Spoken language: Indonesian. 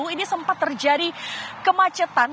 ini sempat terjadi kemacetan